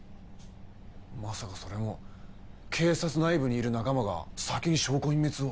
まさかそれも警察内部にいる仲間が先に証拠隠滅を？